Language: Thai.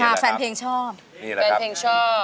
ค่ะแล้วแฟนเพลงชอบเป็นเพลงชอบนะ